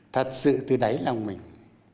thật sự từ đáy lòng mình